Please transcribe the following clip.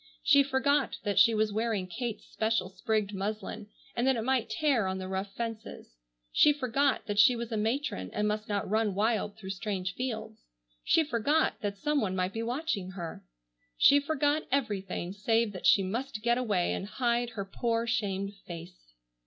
She forgot that she was wearing Kate's special sprigged muslin, and that it might tear on the rough fences. She forgot that she was a matron and must not run wild through strange fields. She forgot that some one might be watching her. She forgot everything save that she must get away and hide her poor shamed face.